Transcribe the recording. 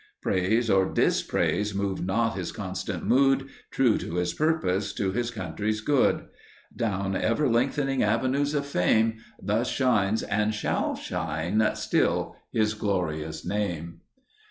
Praise or dispraise moved not his constant mood, True to his purpose, to his country's good! Down ever lengthening avenues of fame Thus shines and shall shine still his glorious name.